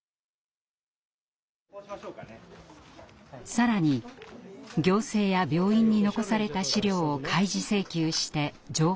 更に行政や病院に残された資料を開示請求して情報を集めます。